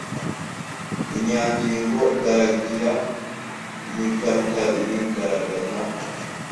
Inyangingo ngaragira y’ingaruka irigaragaza.